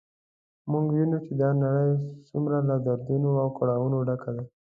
موږ وینو چې دا نړی څومره له دردونو او کړاوونو ډکه ده